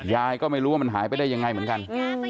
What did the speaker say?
ยายก็ไม่รู้ว่ามันหายไปได้ยังไงเหมือนกัน